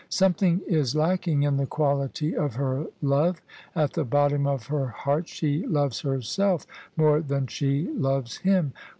Something is lacking in the quality of her love : at the bottom of her heart she loves herself more than she loves him.